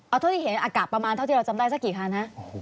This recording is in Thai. เอาเท่าที่เห็นอากาศประมาณเท่าที่เราจำได้สักกี่คันฮะ